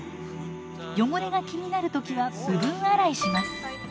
汚れが気になる時は部分洗いします。